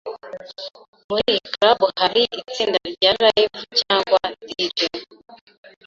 Muri iyi club hari itsinda rya Live cyangwa DJ?